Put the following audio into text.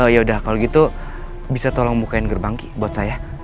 yaudah kalau gitu bisa tolong bukain gerbang ki buat saya